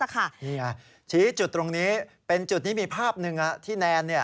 นี่ไงชี้จุดตรงนี้เป็นจุดที่มีภาพหนึ่งที่แนน